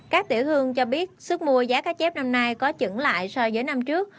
các tiểu hương cho biết sức mua giá cá chép năm nay có chững lại so với năm trước